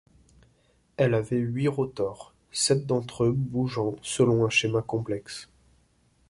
Elle avait huit rotors, sept d'entre eux bougeant selon un schéma complexe.